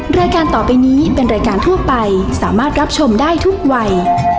รายการต่อไปนี้เป็นรายการทั่วไปสามารถรับชมได้ทุกวัย